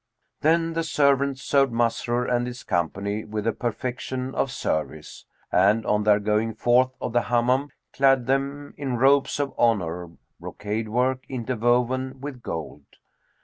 Then the servants served Masrur and his company with the perfection of service; and, on their going forth of the Hammam, clad them in robes of honour, brocade work interwoven with gold.